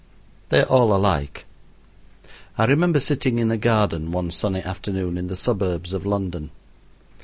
They are all alike. I remember sitting in a garden one sunny afternoon in the suburbs of London.